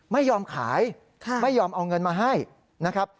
ไม่ยอมขายไม่ยอมเอาเงินมาให้นะครับ